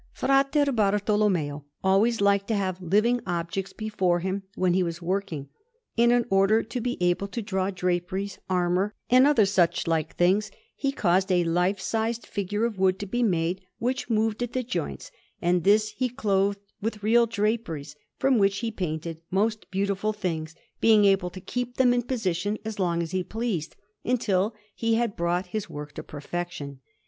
Fra Bartolommeo always liked to have living objects before him when he was working; and in order to be able to draw draperies, armour, and other suchlike things, he caused a life size figure of wood to be made, which moved at the joints; and this he clothed with real draperies, from which he painted most beautiful things, being able to keep them in position as long as he pleased, until he had brought his work to perfection.